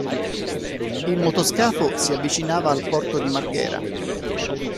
Il motoscafo si avvicinava al porto di Marghera.